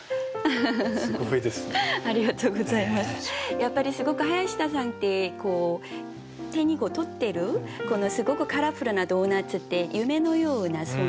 やっぱりすごく林田さんって手に取ってるすごくカラフルなドーナツって夢のような存在